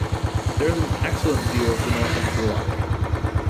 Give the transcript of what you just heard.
There is an excellent view of the north end of the loch.